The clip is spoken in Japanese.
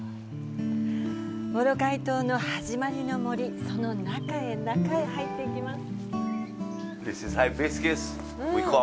モロカイ島の始まりの森、その中へ中へ入っていきます。